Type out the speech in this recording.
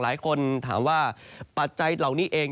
หลายคนถามว่าปัจจัยเหล่านี้เอง